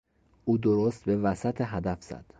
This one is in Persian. او درست به وسط هدف زد.